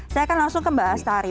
saya akan langsung ke mbak astari